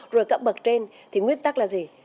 rồi các bậc trên thì nguyên tắc là gì